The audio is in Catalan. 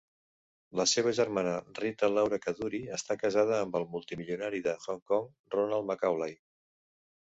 La seva germana Rita Laura Kadoorie està casada amb el multimilionari de Hong Kong Ronald McAulay.